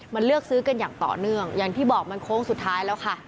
มันเลือกซื้อกันอย่างต่อเนื่องอย่างที่บอกมันโค้งสุดท้ายแล้วค่ะ